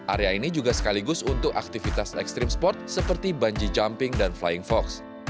area ini juga sekaligus untuk aktivitas ekstrim sport seperti bungee jumping dan flying fox